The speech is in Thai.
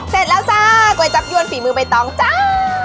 เสร็จแล้วจ้าก๋วยจับยวนฝีมือใบตองจ้า